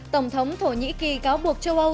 tổng thống thổ nhĩ kỳ cáo buộc châu âu